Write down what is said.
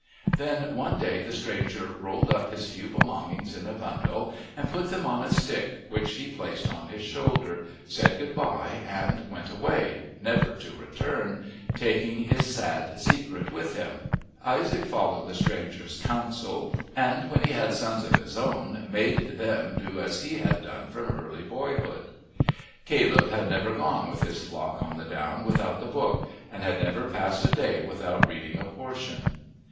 Then one day the stranger rolled up his few belongings in a bundle and put them on a stick which he placed on his shoulder, said good bye, and went away, never to return, taking his sad secret with him. Isaac followed the stranger's counsel, and when he had sons of his own made them do as he had done from early boyhood. Caleb had never gone with his flock on the down without the book, and had never passed a day without reading a portion.